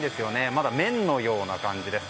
まだ麺のような感じです。